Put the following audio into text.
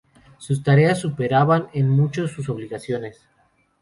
Sus tareas superaban en mucho sus obligaciones.